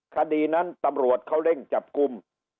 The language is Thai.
คดีนั้นตำรวจเขาเร่งจับกลุ่ม